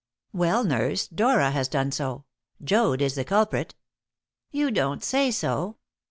"Well, nurse, Dora has done so. Joad is the culprit." "You don't say so!